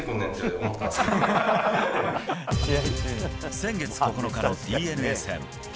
先月９日のＤｅＮＡ戦。